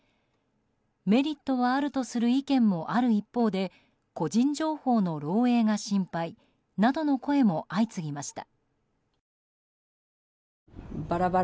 メリットはあるとする意見もある一方で個人情報の漏洩が心配などの声も相次ぎました。